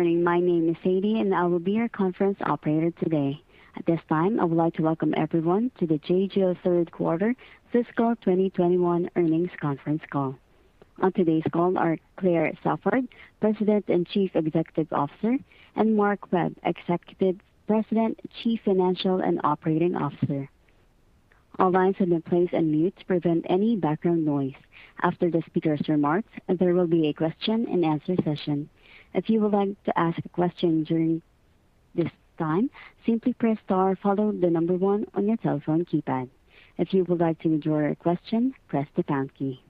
Good morning. My name is Sadie, and I will be your conference operator today. At this time, I would like to welcome everyone to the J.Jill third quarter fiscal 2021 earnings conference call. On today's call are Claire Spofford, President and Chief Executive Officer, and Mark Webb, Executive Vice President, Chief Financial and Operating Officer. All lines have been placed on mute to prevent any background noise. After the speaker's remarks, there will be a question and answer session. If you would like to ask a question during this time, simply press star, follow the number one on your telephone keypad. If you would like to withdraw your question, press the pound key.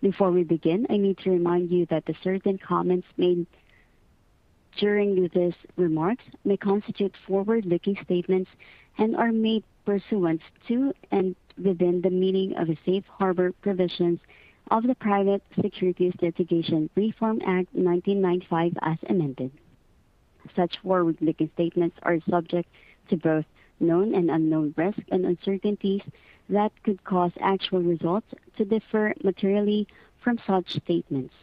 Before we begin, I need to remind you that certain comments made during these remarks may constitute forward-looking statements and are made pursuant to and within the meaning of the safe harbor provisions of the Private Securities Litigation Reform Act 1995, as amended. Such forward-looking statements are subject to both known and unknown risks and uncertainties that could cause actual results to differ materially from such statements.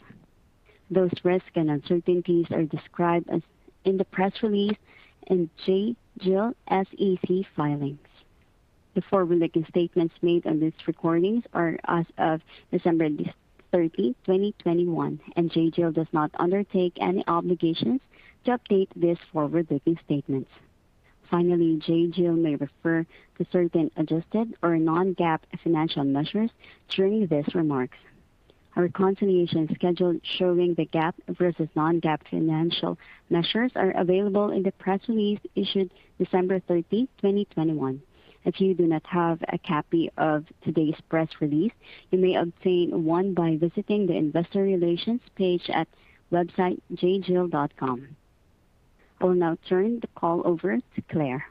Those risks and uncertainties are described in the press release and J.Jill's SEC filings. The forward-looking statements made on these recordings are as of December 30, 2021, and J.Jill does not undertake any obligations to update these forward-looking statements. Finally, J.Jill may refer to certain adjusted or non-GAAP financial measures during these remarks. Our reconciliation schedule showing the GAAP versus non-GAAP financial measures are available in the press release issued December 13, 2021. If you do not have a copy of today's press release, you may obtain one by visiting the investor relations page at website jjill.com. I will now turn the call over to Claire.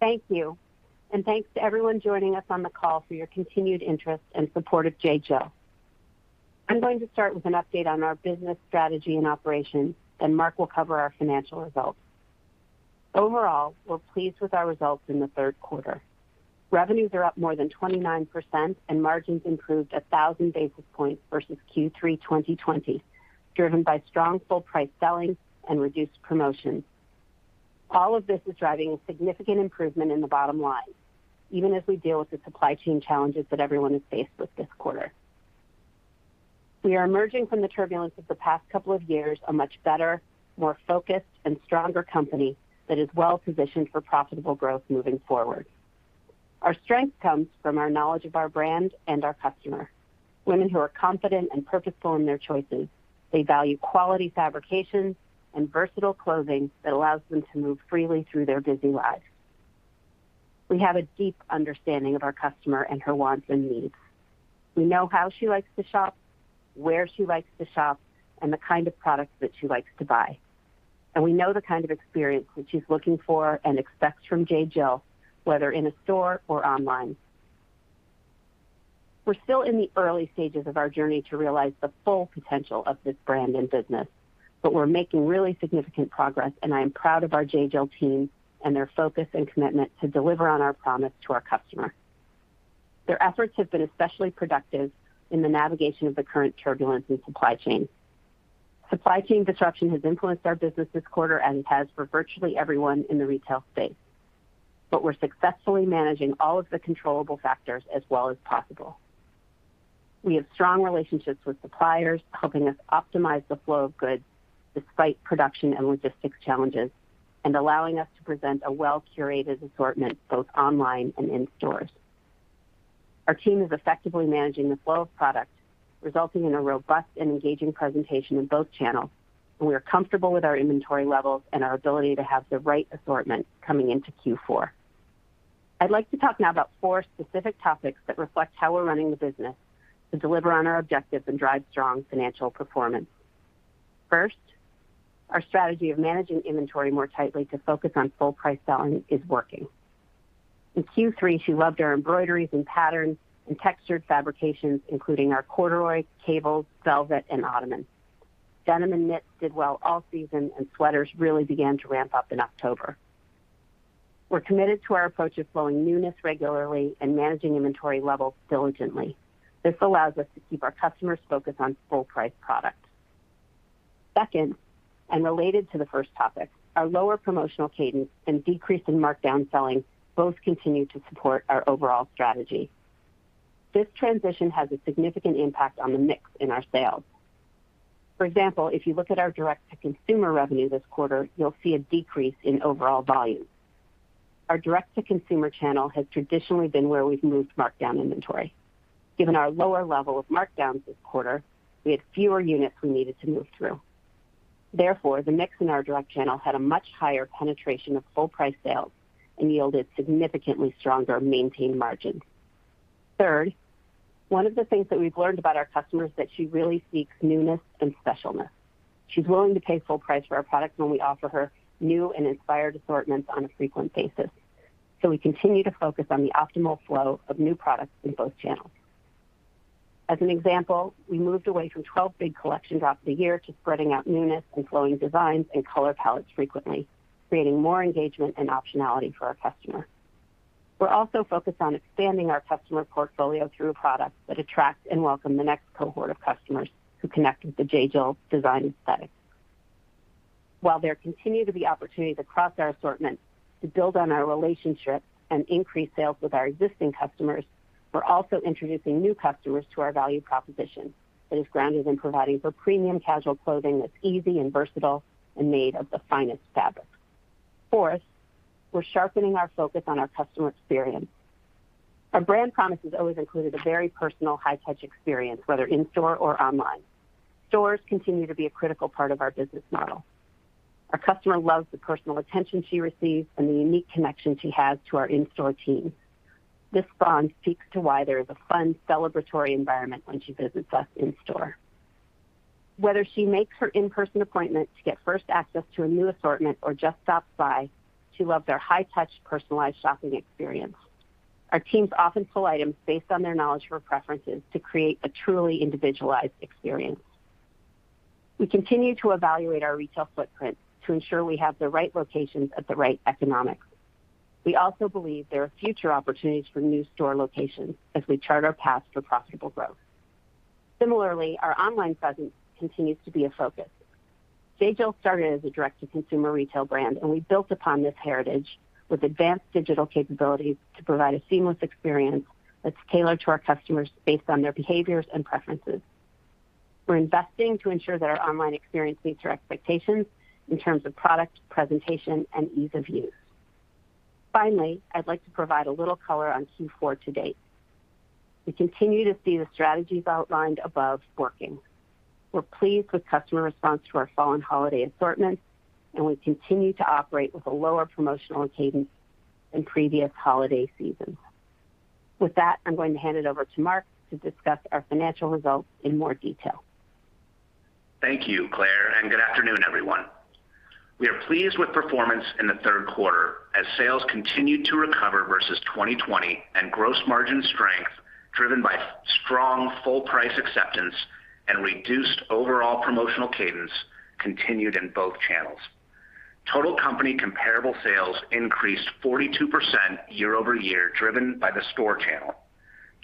Thank you, and thanks to everyone joining us on the call for your continued interest and support of J.Jill. I'm going to start with an update on our business strategy and operations, then Mark will cover our financial results. Overall, we're pleased with our results in the third quarter. Revenues are up more than 29% and margins improved 1,000 basis points versus Q3 2020, driven by strong full price selling and reduced promotions. All of this is driving a significant improvement in the bottom line, even as we deal with the supply chain challenges that everyone has faced with this quarter. We are emerging from the turbulence of the past couple of years a much better, more focused, and stronger company that is well positioned for profitable growth moving forward. Our strength comes from our knowledge of our brand and our customer, women who are confident and purposeful in their choices. They value quality fabrications and versatile clothing that allows them to move freely through their busy lives. We have a deep understanding of our customer and her wants and needs. We know how she likes to shop, where she likes to shop, and the kind of products that she likes to buy. We know the kind of experience that she's looking for and expects from J.Jill, whether in a store or online. We're still in the early stages of our journey to realize the full potential of this brand and business, but we're making really significant progress, and I am proud of our J.Jill team and their focus and commitment to deliver on our promise to our customer. Their efforts have been especially productive in the navigation of the current turbulence in supply chain. Supply chain disruption has influenced our business this quarter and has for virtually everyone in the retail space. We're successfully managing all of the controllable factors as well as possible. We have strong relationships with suppliers, helping us optimize the flow of goods despite production and logistics challenges, and allowing us to present a well-curated assortment both online and in stores. Our team is effectively managing the flow of product, resulting in a robust and engaging presentation in both channels, and we are comfortable with our inventory levels and our ability to have the right assortment coming into Q4. I'd like to talk now about four specific topics that reflect how we're running the business to deliver on our objectives and drive strong financial performance. First, our strategy of managing inventory more tightly to focus on full price selling is working. In Q3, she loved our embroideries and patterns and textured fabrications, including our corduroy, cables, velvet, and ottoman. Denim and knit did well all season, and sweaters really began to ramp up in October. We're committed to our approach of flowing newness regularly and managing inventory levels diligently. This allows us to keep our customers focused on full price products. Second, and related to the first topic, our lower promotional cadence and decrease in markdown selling both continue to support our overall strategy. This transition has a significant impact on the mix in our sales. For example, if you look at our direct-to-consumer revenue this quarter, you'll see a decrease in overall volume. Our direct-to-consumer channel has traditionally been where we've moved markdown inventory. Given our lower level of markdowns this quarter, we had fewer units we needed to move through. Therefore, the mix in our direct channel had a much higher penetration of full price sales and yielded significantly stronger maintained margins. Third, one of the things that we've learned about our customer is that she really seeks newness and specialness. She's willing to pay full price for our products when we offer her new and inspired assortments on a frequent basis. We continue to focus on the optimal flow of new products in both channels. As an example, we moved away from 12 big collection drops a year to spreading out newness and flowing designs and color palettes frequently, creating more engagement and optionality for our customer. We're also focused on expanding our customer portfolio through products that attract and welcome the next cohort of customers who connect with the J.Jill design aesthetic. While there continue to be opportunities across our assortment to build on our relationship and increase sales with our existing customers, we're also introducing new customers to our value proposition that is grounded in providing for premium casual clothing that's easy and versatile and made of the finest fabrics. Fourth, we're sharpening our focus on our customer experience. Our brand promise has always included a very personal high-touch experience, whether in-store or online. Stores continue to be a critical part of our business model. Our customer loves the personal attention she receives and the unique connection she has to our in-store team. This bond speaks to why there is a fun, celebratory environment when she visits us in store. Whether she makes her in-person appointment to get first access to a new assortment or just stops by, she loves our high-touch, personalized shopping experience. Our teams often pull items based on their knowledge of her preferences to create a truly individualized experience. We continue to evaluate our retail footprint to ensure we have the right locations at the right economics. We also believe there are future opportunities for new store locations as we chart our path for profitable growth. Similarly, our online presence continues to be a focus. J.Jill started as a direct-to-consumer retail brand, and we built upon this heritage with advanced digital capabilities to provide a seamless experience that's tailored to our customers based on their behaviors and preferences. We're investing to ensure that our online experience meets our expectations in terms of product, presentation, and ease of use. Finally, I'd like to provide a little color on Q4 to date. We continue to see the strategies outlined above working. We're pleased with customer response to our fall and holiday assortment, and we continue to operate with a lower promotional cadence than previous holiday seasons. With that, I'm going to hand it over to Mark to discuss our financial results in more detail. Thank you, Claire, and good afternoon, everyone. We are pleased with performance in the third quarter as sales continued to recover versus 2020 and gross margin strength driven by strong full price acceptance and reduced overall promotional cadence continued in both channels. Total company comparable sales increased 42% year-over-year, driven by the store channel.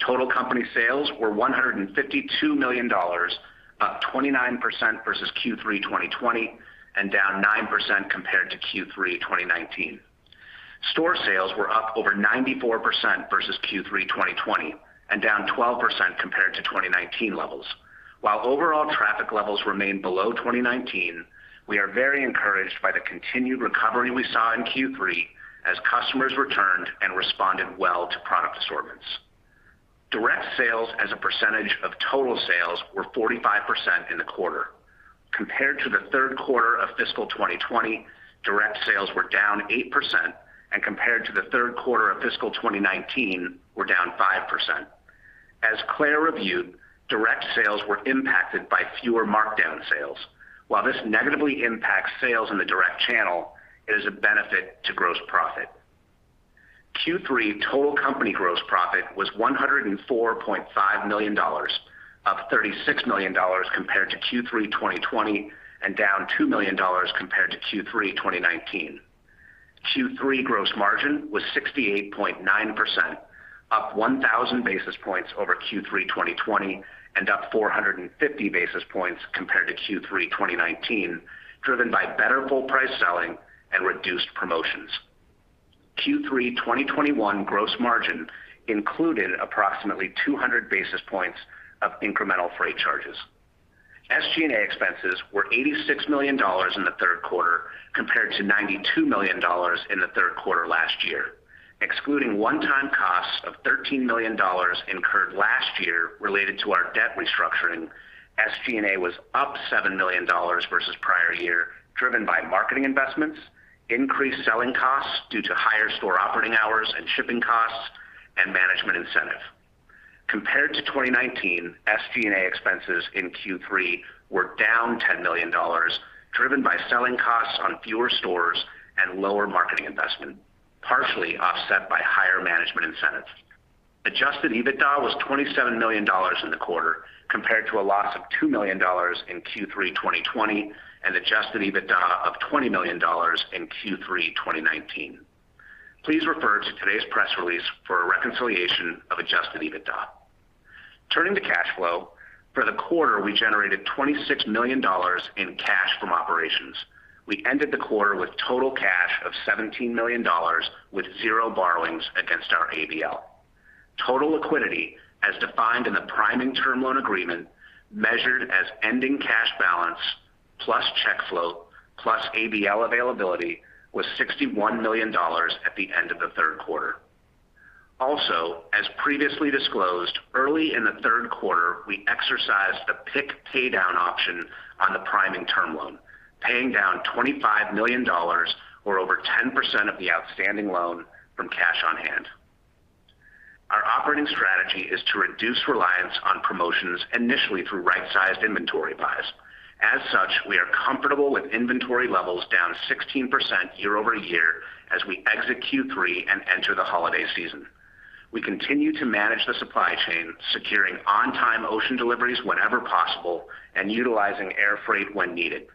Total company sales were $152 million, up 29% versus Q3 2020 and down 9% compared to Q3 2019. Store sales were up over 94% versus Q3 2020 and down 12% compared to 2019 levels. While overall traffic levels remain below 2019, we are very encouraged by the continued recovery we saw in Q3 as customers returned and responded well to product assortments. Direct sales as a percentage of total sales were 45% in the quarter. Compared to the third quarter of fiscal 2020, direct sales were down 8%, and compared to the third quarter of fiscal 2019, were down 5%. As Claire reviewed, direct sales were impacted by fewer markdown sales. While this negatively impacts sales in the direct channel, it is a benefit to gross profit. Q3 total company gross profit was $104.5 million, up $36 million compared to Q3 2020 and down $2 million compared to Q3 2019. Q3 gross margin was 68.9%, up 1,000 basis points over Q3 2020 and up 450 basis points compared to Q3 2019, driven by better full price selling and reduced promotions. Q3 2021 gross margin included approximately 200 basis points of incremental freight charges. SG&A expenses were $86 million in the third quarter compared to $92 million in the third quarter last year. Excluding one-time costs of $13 million incurred last year related to our debt restructuring, SG&A was up $7 million versus prior year, driven by marketing investments, increased selling costs due to higher store operating hours and shipping costs, and management incentive. Compared to 2019, SG&A expenses in Q3 were down $10 million, driven by selling costs on fewer stores and lower marketing investment, partially offset by higher management incentives. Adjusted EBITDA was $27 million in the quarter, compared to a loss of $2 million in Q3 2020 and adjusted EBITDA of $20 million in Q3 2019. Please refer to today's press release for a reconciliation of adjusted EBITDA. Turning to cash flow, for the quarter, we generated $26 million in cash from operations. We ended the quarter with total cash of $17 million with zero borrowings against our ABL. Total liquidity, as defined in the Priming Term Loan agreement, measured as ending cash balance plus check float plus ABL availability, was $61 million at the end of the third quarter. Also, as previously disclosed, early in the third quarter, we exercised the PIK paydown option on the Priming Term Loan, paying down $25 million or over 10% of the outstanding loan from cash on hand. Our operating strategy is to reduce reliance on promotions initially through right-sized inventory buys. As such, we are comfortable with inventory levels down 16% year-over-year as we exit Q3 and enter the holiday season. We continue to manage the supply chain, securing on-time ocean deliveries whenever possible and utilizing air freight when needed.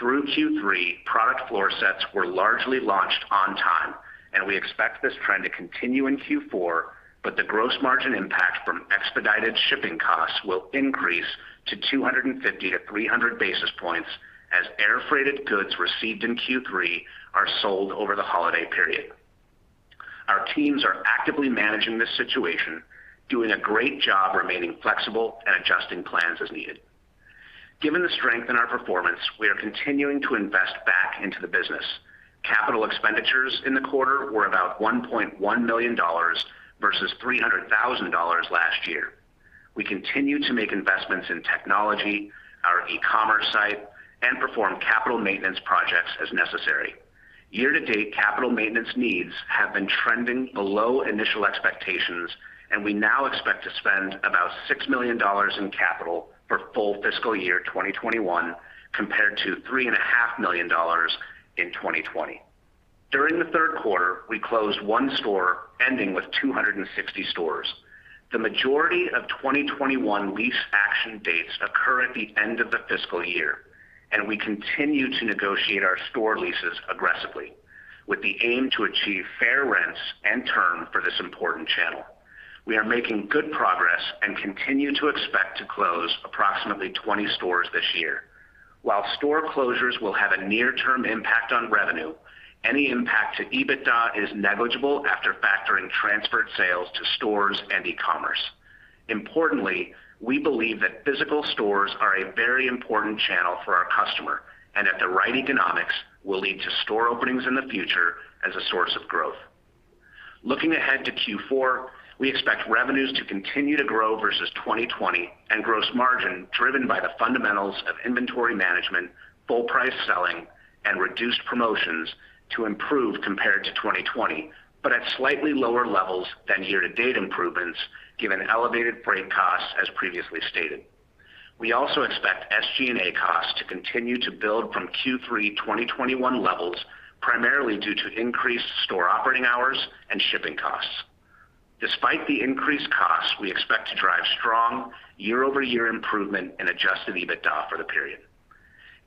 Through Q3, product floor sets were largely launched on time, and we expect this trend to continue in Q4, but the gross margin impact from expedited shipping costs will increase to 250-300 basis points as air freighted goods received in Q3 are sold over the holiday period. Our teams are actively managing this situation, doing a great job remaining flexible and adjusting plans as needed. Given the strength in our performance, we are continuing to invest back into the business. Capital expenditures in the quarter were about $1.1 million versus $300,000 last year. We continue to make investments in technology, our e-commerce site, and perform capital maintenance projects as necessary. Year-to-date, capital maintenance needs have been trending below initial expectations, and we now expect to spend about $6 million in capital for full fiscal year 2021 compared to $3.5 million in 2020. During the third quarter, we closed one store, ending with 260 stores. The majority of 2021 lease action dates occur at the end of the fiscal year, and we continue to negotiate our store leases aggressively with the aim to achieve fair rents and term for this important channel. We are making good progress and continue to expect to close approximately 20 stores this year. While store closures will have a near-term impact on revenue, any impact to EBITDA is negligible after factoring transferred sales to stores and e-commerce. Importantly, we believe that physical stores are a very important channel for our customer and at the right economics will lead to store openings in the future as a source of growth. Looking ahead to Q4, we expect revenues to continue to grow versus 2020 and gross margin driven by the fundamentals of inventory management, full price selling, and reduced promotions to improve compared to 2020, but at slightly lower levels than year-to-date improvements given elevated freight costs as previously stated. We also expect SG&A costs to continue to build from Q3 2021 levels, primarily due to increased store operating hours and shipping costs. Despite the increased costs, we expect to drive strong year-over-year improvement in Adjusted EBITDA for the period.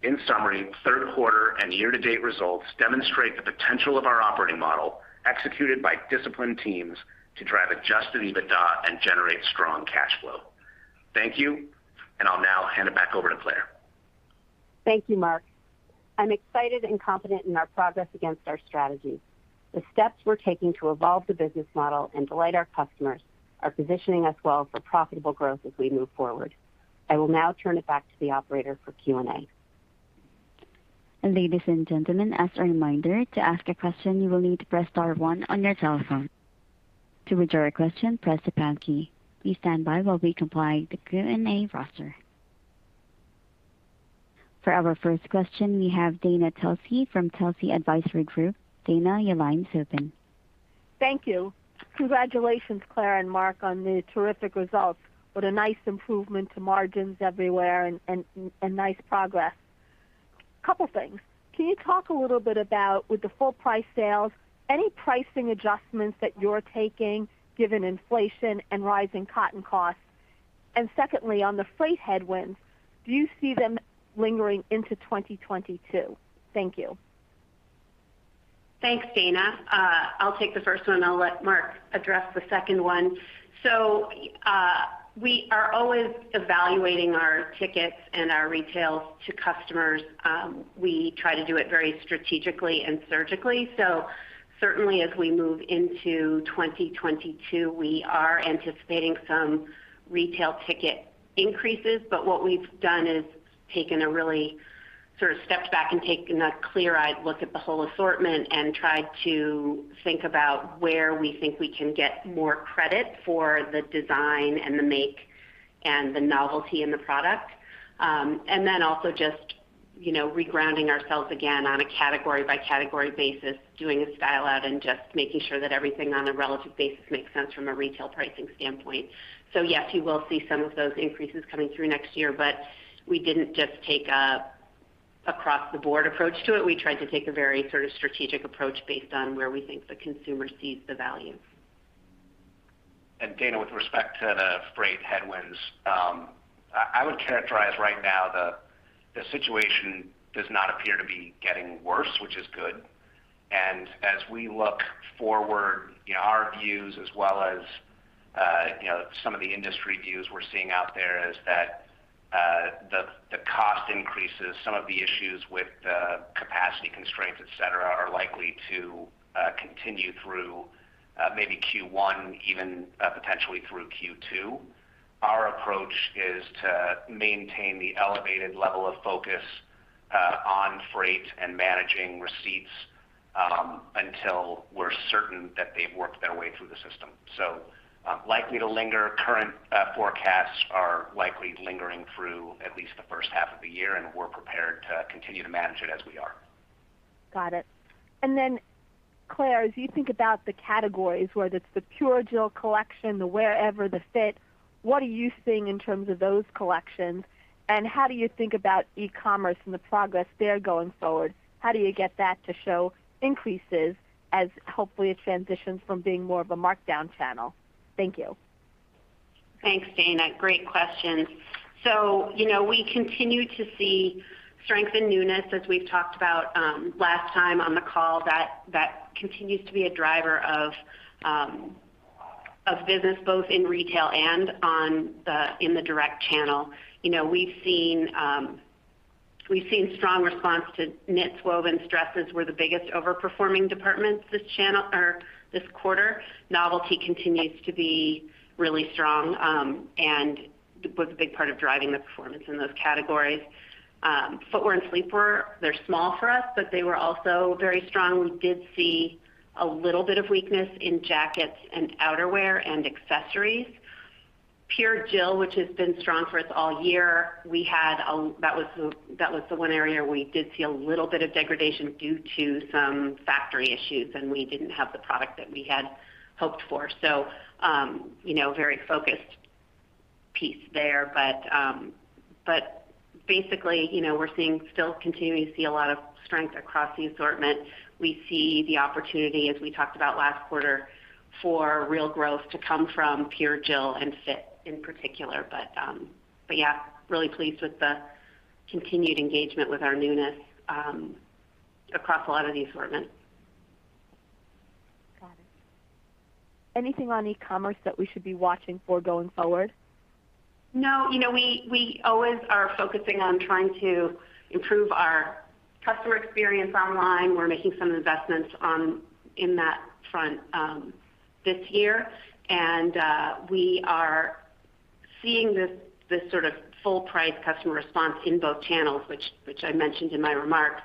In summary, third quarter and year-to-date results demonstrate the potential of our operating model executed by disciplined teams to drive Adjusted EBITDA and generate strong cash flow. Thank you. I'll now hand it back over to Claire. Thank you, Mark. I'm excited and confident in our progress against our strategy. The steps we're taking to evolve the business model and delight our customers are positioning us well for profitable growth as we move forward. I will now turn it back to the operator for Q&A. Ladies and gentlemen, as a reminder, to ask a question, you will need to press star one on your telephone. To withdraw a question, press the pound key. Please stand by while we compile the Q&A roster. For our first question, we have Dana Telsey from Telsey Advisory Group. Dana, your line's open. Thank you. Congratulations, Claire and Mark, on the terrific results. What a nice improvement to margins everywhere and nice progress. Couple things. Can you talk a little bit about, with the full price sales, any pricing adjustments that you're taking given inflation and rising cotton costs? Secondly, on the freight headwinds, do you see them lingering into 2022? Thank you. Thanks, Dana. I'll take the first one. I'll let Mark address the second one. We are always evaluating our tickets and our retails to customers. We try to do it very strategically and surgically. Certainly as we move into 2022, we are anticipating some retail ticket increases. What we've done is sort of stepped back and taken a clear-eyed look at the whole assortment and tried to think about where we think we can get more credit for the design and the make and the novelty in the product. Then also just, you know, re-grounding ourselves again on a category by category basis, doing a style add, and just making sure that everything on a relative basis makes sense from a retail pricing standpoint. Yes, you will see some of those increases coming through next year, but we didn't just take an across-the-board approach to it. We tried to take a very sort of strategic approach based on where we think the consumer sees the value. Dana, with respect to the freight headwinds, I would characterize right now the situation does not appear to be getting worse, which is good. As we look forward, you know, our views as well as, you know, some of the industry views we're seeing out there is that, the cost increases, some of the issues with, capacity constraints, et cetera, are likely to continue through, maybe Q1, even, potentially through Q2. Our approach is to maintain the elevated level of focus, on freight and managing receipts, until we're certain that they've worked their way through the system. Likely to linger. Current forecasts are likely lingering through at least the first half of the year, and we're prepared to continue to manage it as we are. Got it. Claire, as you think about the categories, whether it's the Pure Jill collection, the Wearever, the Fit, what are you seeing in terms of those collections, and how do you think about e-commerce and the progress there going forward? How do you get that to show increases as hopefully it transitions from being more of a markdown channel? Thank you. Thanks, Dana. Great question. You know, we continue to see strength in newness as we've talked about last time on the call. That continues to be a driver of business both in retail and in the direct channel. You know, we've seen strong response to knits, wovens, dresses were the biggest over-performing departments this quarter. Novelty continues to be really strong and was a big part of driving the performance in those categories. Footwear and sleepwear, they're small for us, but they were also very strong. We did see a little bit of weakness in jackets and outerwear and accessories. Pure Jill, which has been strong for us all year, we had a... That was the one area we did see a little bit of degradation due to some factory issues, and we didn't have the product that we had hoped for. You know, very focused piece there. Basically, you know, we're seeing still continuing to see a lot of strength across the assortment. We see the opportunity, as we talked about last quarter, for real growth to come from Pure Jill and Fit in particular. Yeah, really pleased with the continued engagement with our newness across a lot of the assortment. Got it. Anything on e-commerce that we should be watching for going forward? No. You know, we always are focusing on trying to improve our customer experience online. We're making some investments in that front this year. We are seeing this sort of full price customer response in both channels, which I mentioned in my remarks.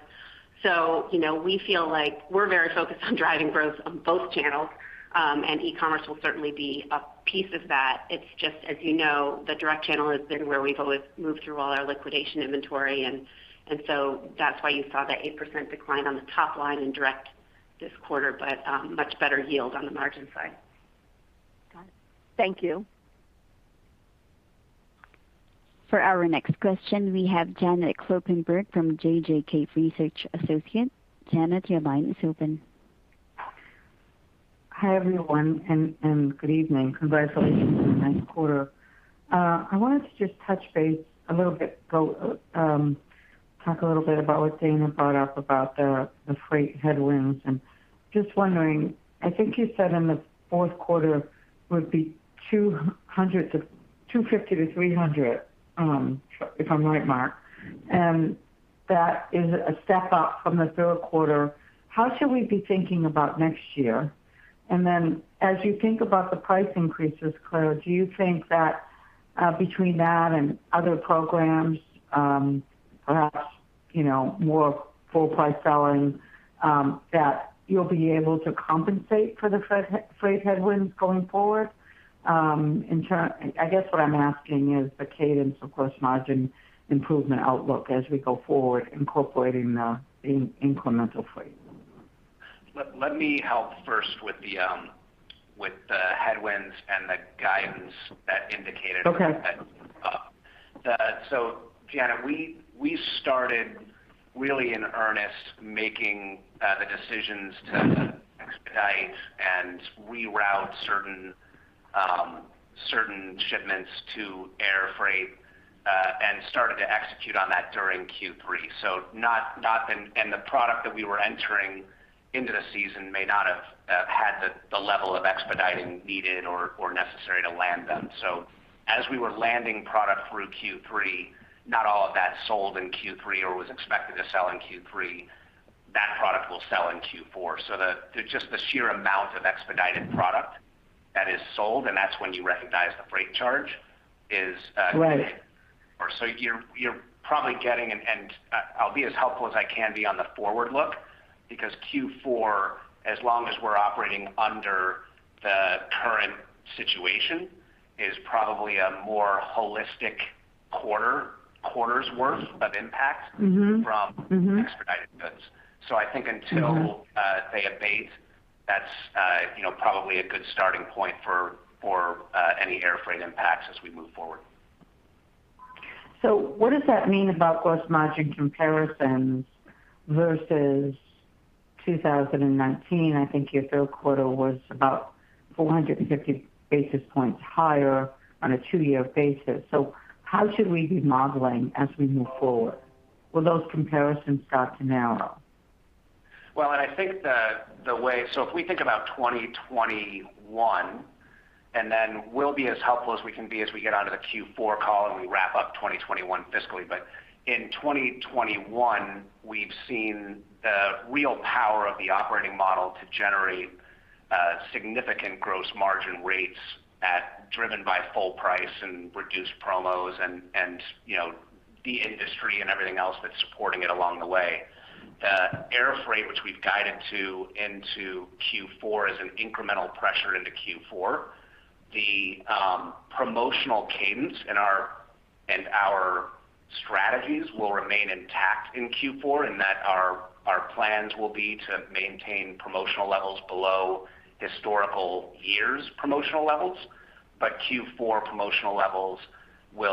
You know, we feel like we're very focused on driving growth on both channels, and e-commerce will certainly be a piece of that. It's just, as you know, the direct channel has been where we've always moved through all our liquidation inventory. So that's why you saw the 8% decline on the top line in direct this quarter, but much better yield on the margin side. Got it. Thank you. For our next question, we have Janet Kloppenburg from JJK Research Associates. Janet, your line is open. Hi, everyone, and good evening. Congratulations on a nice quarter. I wanted to just touch base a little bit, talk a little bit about what Dana brought up about the freight headwinds. Just wondering, I think you said in the fourth quarter would be $250-$300, if I'm right, Mark. That is a step up from the third quarter. How should we be thinking about next year? Then as you think about the price increases, Claire, do you think that between that and other programs, perhaps, you know, more full price selling, that you'll be able to compensate for the freight headwinds going forward? I guess what I'm asking is the cadence of course margin improvement outlook as we go forward incorporating the incremental freight. Let me help first with the headwinds and the guidance that indicated. Okay. Janet, we started really in earnest making the decisions to expedite and reroute certain shipments to air freight, and started to execute on that during Q3. The product that we were entering into the season may not have had the level of expediting needed or necessary to land them. As we were landing product through Q3, not all of that sold in Q3 or was expected to sell in Q3. That product will sell in Q4. Just the sheer amount of expedited product that is sold, and that's when you recognize the freight charge is. Right. You're probably getting. I'll be as helpful as I can be on the forward look, because Q4, as long as we're operating under the current situation, is probably a more holistic quarter's worth of impact. Mm-hmm. From expedited goods. I think until they abate, that's, you know, probably a good starting point for any air freight impacts as we move forward. What does that mean about gross margin comparisons versus 2019? I think your third quarter was about 450 basis points higher on a two-year basis. How should we be modeling as we move forward? Will those comparisons start to narrow? Well, I think if we think about 2021, then we'll be as helpful as we can be as we get out of the Q4 call and we wrap up 2021 fiscally. In 2021, we've seen the real power of the operating model to generate significant gross margin rates driven by full price and reduced promos and you know the industry and everything else that's supporting it along the way. The air freight, which we've guided into Q4, is an incremental pressure into Q4. The promotional cadence and our strategies will remain intact in Q4, in that our plans will be to maintain promotional levels below historical years' promotional levels. Q4 promotional levels, as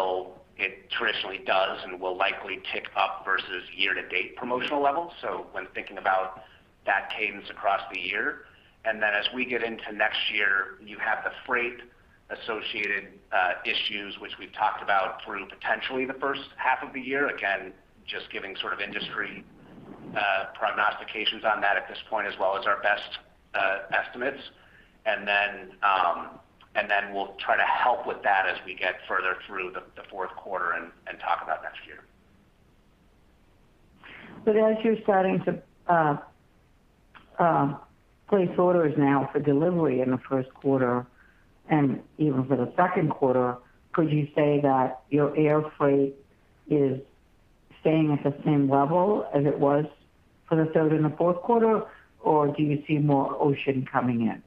it traditionally does, will likely tick up versus year-to-date promotional levels. When thinking about that cadence across the year, and then as we get into next year, you have the freight associated issues which we've talked about through potentially the first half of the year. Again, just giving sort of industry prognostications on that at this point, as well as our best estimates. We'll try to help with that as we get further through the fourth quarter and talk about next year. As you're starting to place orders now for delivery in the first quarter and even for the second quarter, could you say that your air freight is staying at the same level as it was for the third and the fourth quarter, or do you see more ocean coming in?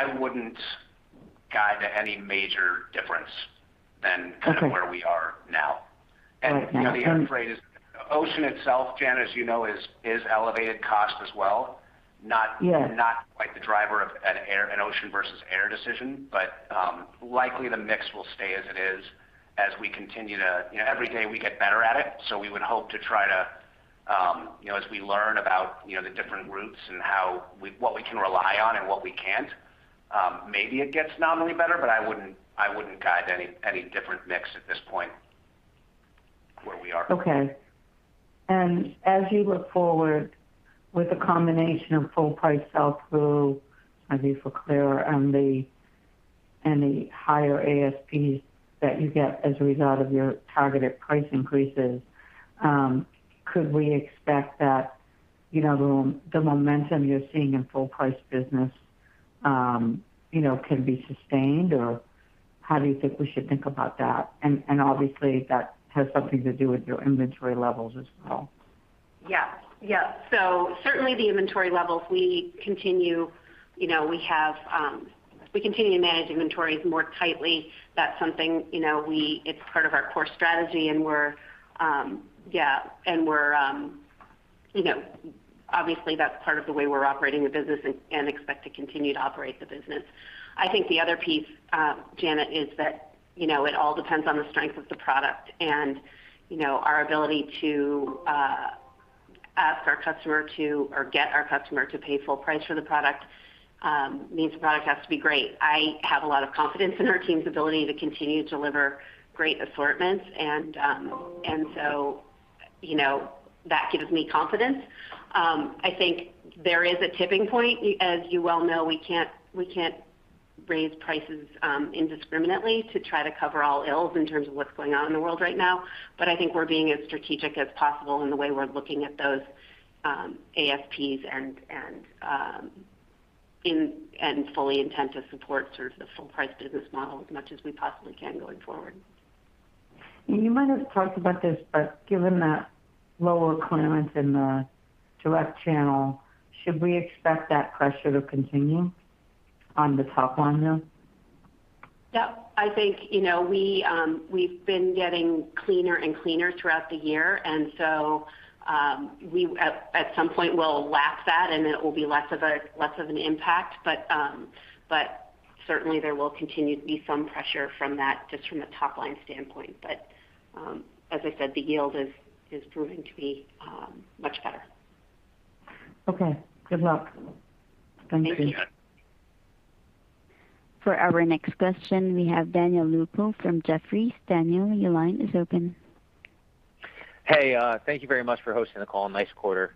I wouldn't guide to any major difference than. Okay. Kind of where we are now. All right. The air freight, ocean itself, Janet, as you know, is elevated cost as well, not- Yes. Not quite the driver of an air, an ocean versus air decision, but likely the mix will stay as it is as we continue to you know, every day we get better at it, so we would hope to try to you know, as we learn about you know, the different routes and what we can rely on and what we can't, maybe it gets nominally better, but I wouldn't guide any different mix at this point where we are. Okay. As you look forward with a combination of full price sell through, as you were clear on the, and the higher ASPs that you get as a result of your targeted price increases, could we expect that, you know, the momentum you're seeing in full price business, you know, could be sustained? Or how do you think we should think about that? And obviously that has something to do with your inventory levels as well. Certainly the inventory levels, we continue to manage inventories more tightly. That's something, you know, it's part of our core strategy and we're, you know. Obviously, that's part of the way we're operating the business and expect to continue to operate the business. I think the other piece, Janet, is that, you know, it all depends on the strength of the product. You know, our ability to get our customer to pay full price for the product means the product has to be great. I have a lot of confidence in our team's ability to continue to deliver great assortments. You know, that gives me confidence. I think there is a tipping point. As you well know, we can't raise prices indiscriminately to try to cover all ills in terms of what's going on in the world right now. I think we're being as strategic as possible in the way we're looking at those ASPs and fully intent to support sort of the full price business model as much as we possibly can going forward. You might have talked about this, but given that lower clearance in the direct channel, should we expect that pressure to continue on the top line then? Yeah, I think, you know, we've been getting cleaner and cleaner throughout the year, and so we at some point will lap that and it will be less of an impact. Certainly there will continue to be some pressure from that just from a top line standpoint. As I said, the yield is proving to be much better. Okay. Good luck. Thank you. Thank you. Yeah. For our next question, we have Daniel Lupo from Jefferies. Daniel, your line is open. Hey, thank you very much for hosting the call. Nice quarter.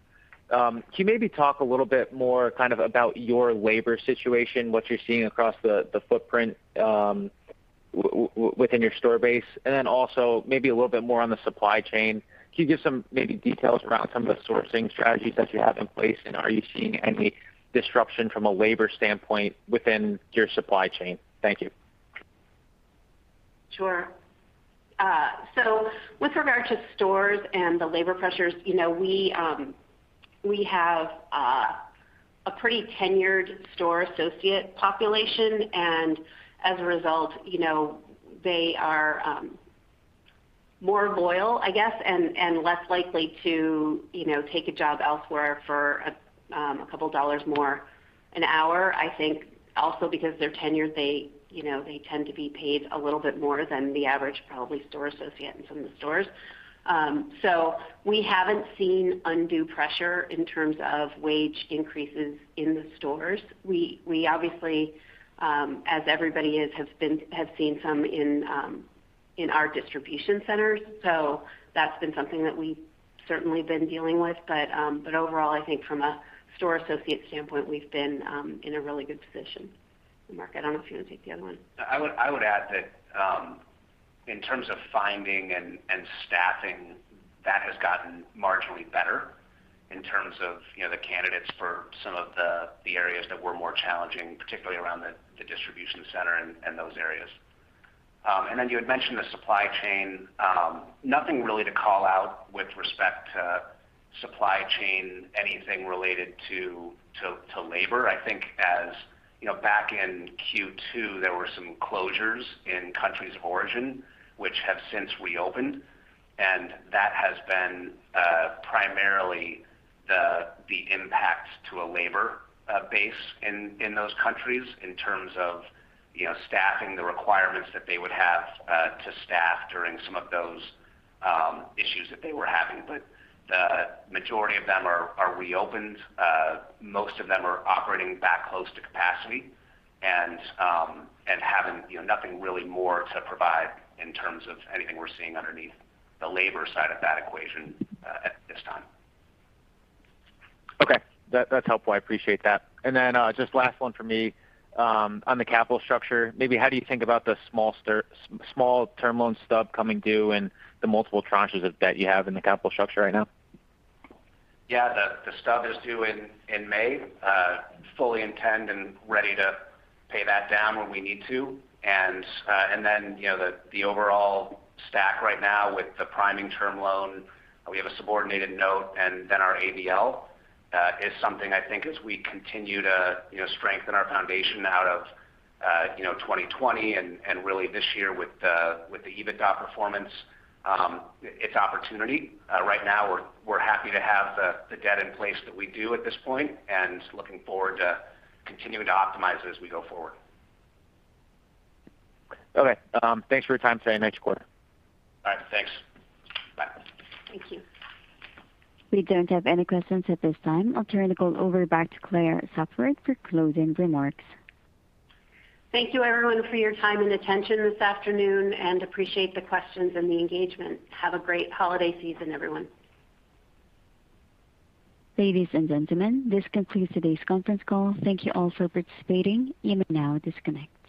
Can you maybe talk a little bit more kind of about your labor situation, what you're seeing across the footprint within your store base, and then also maybe a little bit more on the supply chain. Can you give some maybe details around some of the sourcing strategies that you have in place? Are you seeing any disruption from a labor standpoint within your supply chain? Thank you. Sure. With regard to stores and the labor pressures, you know, we have a pretty tenured store associate population. As a result, you know, they are more loyal, I guess, and less likely to, you know, take a job elsewhere for a couple of dollars more an hour. I think also because they're tenured, they, you know, tend to be paid a little bit more than the average, probably store associate in some of the stores. We haven't seen undue pressure in terms of wage increases in the stores. We obviously, as everybody is, have seen some in our distribution centers. That's been something that we've certainly been dealing with. Overall, I think from a store associate standpoint, we've been in a really good position. Mark, I don't know if you want to take the other one. I would add that in terms of finding and staffing, that has gotten marginally better in terms of, you know, the candidates for some of the areas that were more challenging, particularly around the distribution center and those areas. You had mentioned the supply chain. Nothing really to call out with respect to supply chain, anything related to labor. I think as you know, back in Q2, there were some closures in countries of origin which have since reopened, and that has been primarily the impact to a labor base in those countries in terms of, you know, staffing the requirements that they would have to staff during some of those issues that they were having. The majority of them are reopened. Most of them are operating back close to capacity and having, you know, nothing really more to provide in terms of anything we're seeing underneath the labor side of that equation at this time. Okay. That's helpful. I appreciate that. Then, just last one for me. On the capital structure, maybe how do you think about the small term loan stub coming due and the multiple tranches of debt you have in the capital structure right now? Yeah. The stub is due in May. Fully intend and ready to pay that down when we need to. Then, you know, the overall stack right now with the Priming Term Loan, we have a subordinated note and then our ABL, is something I think as we continue to, you know, strengthen our foundation out of, you know, 2020 and really this year with the EBITDA performance, it's opportunity. Right now we're happy to have the debt in place that we do at this point and looking forward to continuing to optimize it as we go forward. Okay. Thanks for your time today and next quarter. All right. Thanks. Bye. Thank you. We don't have any questions at this time. I'll turn the call over back to Claire Spofford for closing remarks. Thank you, everyone, for your time and attention this afternoon, and I appreciate the questions and the engagement. Have a great holiday season, everyone. Ladies and gentlemen, this concludes today's conference call. Thank you all for participating. You may now disconnect.